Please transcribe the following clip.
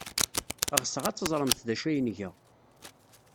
Ɣseɣ ad teẓremt d acu ay nga.